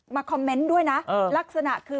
คอมเมนต์ด้วยนะลักษณะคือ